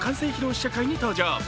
試写会に登場。